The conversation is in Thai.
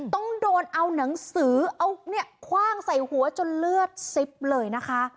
ต้องโดนเอาหนังสือเอาเนี่ยคว่างใส่หัวจนเลือดซิบเลยนะคะ